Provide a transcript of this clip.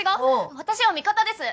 私は味方です！